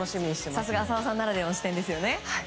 さすが浅尾さんならではの視点ですね。